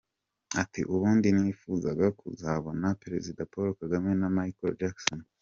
Ati “Ubundi nifuzaga kuzabonana Perezida Paul Kagame na Michael Jackson.